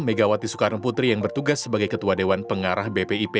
megawati soekarno putri yang bertugas sebagai ketua dewan pengarah bpip